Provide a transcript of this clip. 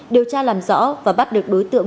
điều tra làm rõ và bắt được đối tượng